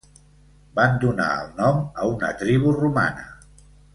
Van donar el nom a una tribu romana.